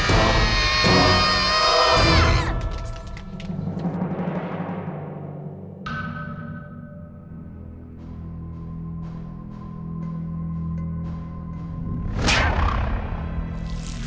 tidak mau berani kok